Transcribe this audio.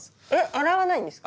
洗わないんですか？